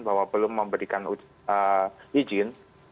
bahwa belum memberikan izin